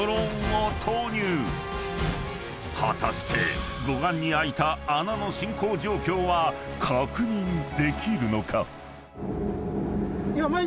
［果たして護岸に開いた穴の進行状況は確認できるのか？］